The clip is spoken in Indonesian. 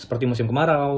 seperti musim kemarau